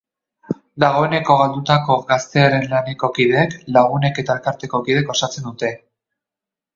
Dagoeneko galdutako gaztearen laneko kideek, lagunek eta elkarteko kideek osatzen dute.